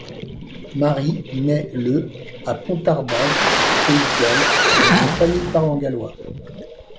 Mary naît le à Pontardawe, Pays de Galles dans une famille parlant gallois.